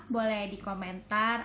boleh di komentar